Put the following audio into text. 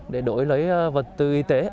để đổi lấy vật tư y tế